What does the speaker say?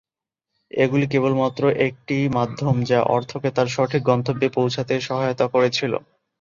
এগুলি কেবলমাত্র একটি মাধ্যম যা অর্থকে তার সঠিক গন্তব্যে পৌঁছাতে সহায়তা করেছিল।